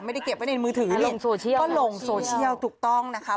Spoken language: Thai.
ไม่ได้เก็บไว้ในมือถือลงโซเชียลก็ลงโซเชียลถูกต้องนะคะ